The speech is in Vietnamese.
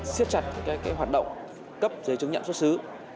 xiết chặt các hoạt động cấp giới chứng nhận xuất xứ